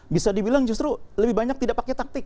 bisa dibilang justru lebih banyak tidak pakai taktik